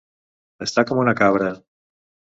Estar com una cabra.